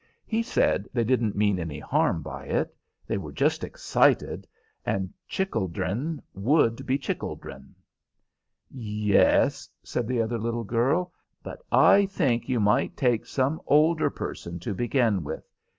He said they didn't mean any harm by it; they were just excited, and chickledren would be chickledren. "Yes," said the other little girl, "but I think you might take some older person to begin with.